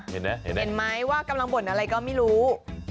เห็นไหมเห็นไหมว่ากำลังบ่นอะไรก็ไม่รู้